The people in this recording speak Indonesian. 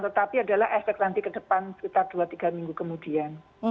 tetapi adalah efek nanti ke depan sekitar dua tiga minggu kemudian